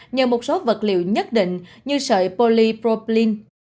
nhờ một số vật liệu nhất định như sợi polyproplin